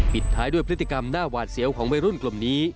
ท้ายด้วยพฤติกรรมหน้าหวาดเสียวของวัยรุ่นกลุ่มนี้